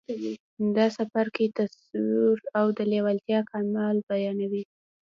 دا څپرکی تصور او د لېوالتیا کمال بيانوي.